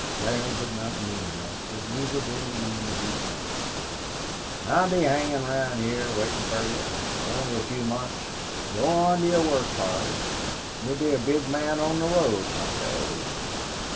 Larry did not mean that, but neither did he mean to be funny. "I'll be hangin' round heah, waitin' fer you. It's only a few months. Go on to your work, pard. You'll be a big man on the road some day."